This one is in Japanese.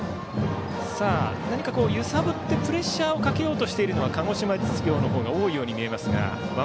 何か揺さぶってプレッシャーをかけようとしているのは鹿児島実業の方が多いように見えますが。